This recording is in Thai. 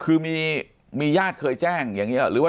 คือมีญาติเคยแจ้งอย่างนี้หรอหรือว่า